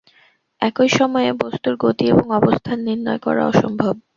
একই সময়ে বস্তুর গতি এবং অবস্থান নির্ণয় করা অসম্ভব।